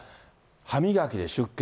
歯磨きで出血。